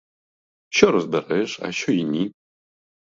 Шо розбереш, а шо й ні!